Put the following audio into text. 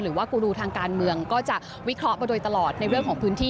กูรูทางการเมืองก็จะวิเคราะห์มาโดยตลอดในเรื่องของพื้นที่